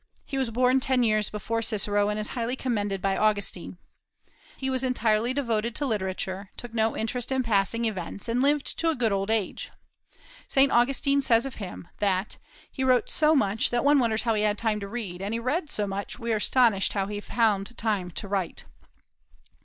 He was born ten years before Cicero, and is highly commended by Augustine. He was entirely devoted to literature, took no interest in passing events, and lived to a good old age. Saint Augustine says of him that "he wrote so much that one wonders how he had time to read; and he read so much, we are astonished how he found time to write."